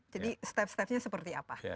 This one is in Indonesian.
step stepnya seperti apa